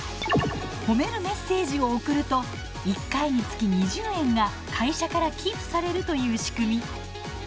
褒めるメッセージを送ると１回につき２０円が会社から寄付されるという仕組み。